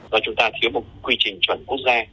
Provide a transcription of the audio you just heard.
và chúng ta thiếu một quy trình chuẩn quốc gia